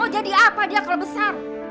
mau jadi apa dia kalau besar